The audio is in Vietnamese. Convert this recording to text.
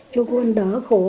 cho con đó khổ